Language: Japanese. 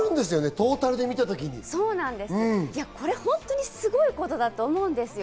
トータルで見たときに、これ本当にすごいことだと思うんですよ。